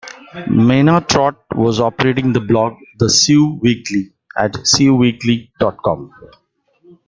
Mena Trott was operating the blog "The Sew Weekly" at sewweekly dot com.